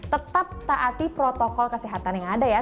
tetap taati protokol kesehatan yang ada ya